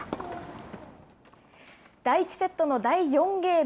第１セットの第４ゲーム。